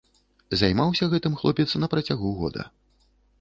Займаўся гэтым хлопец на працягу года.